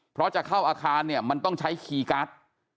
เพราะจะเข้าอาคารเนี่ยมันต้องใช้คีย์การ์ด